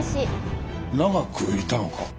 長くいたのか？